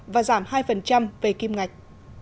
và giảm hai về kim ngạch